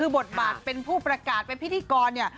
บทบาทเป็นผู้ประกาศเป็นพิธีกรเนี่ย